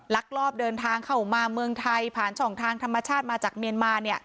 ลักลอบเดินทางเข้ามาเมืองไทยผ่านช่องทางธรรมชาติมาจากเมียนมาเนี่ย